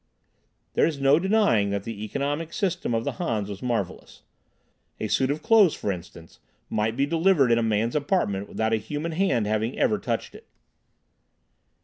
There is no denying that the economic system of the Hans was marvelous. A suit of clothes, for instance, might be delivered in a man's apartment without a human hand having ever touched it.